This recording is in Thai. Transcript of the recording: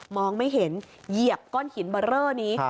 ไม่เห็นเหยียบก้อนหินเบอร์เรอนี้